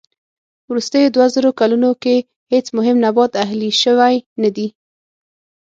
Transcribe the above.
وروستيو دووزرو کلونو کې هېڅ مهم نبات اهلي شوی نه دي.